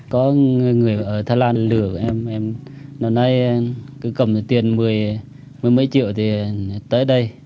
có người ở thái lan lửa em nói nay cứ cầm tiền mười mấy triệu thì tới đây